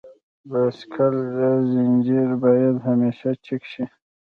د بایسکل زنجیر باید همیشه چک شي.